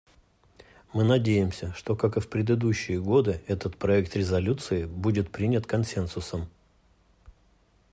Мы надеемся, что, как и в предыдущие годы, этот проект резолюции будет принят консенсусом.